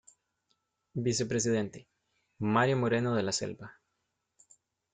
Vicepresidente: Mario Moreno, de la selva.